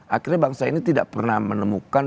akhirnya bangsa ini tidak pernah menemukan